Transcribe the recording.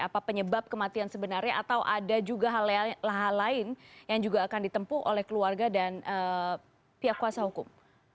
apa penyebab kematian sebenarnya atau ada juga hal lain yang juga akan ditempuh oleh keluarga dan pihak kuasa hukum